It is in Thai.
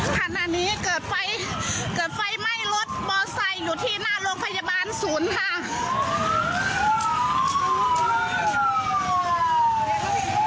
คันนี้เกิดไฟไหม้รถบอสไซค์อยู่ที่หน้าโรงพยาบาลศูนย์ค่ะ